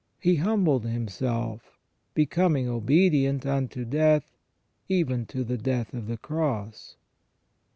He humbled Himself, becoming obedient unto death, even to the death of the Cross."